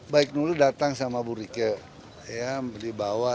baik nuril datang sama bu rike dibawa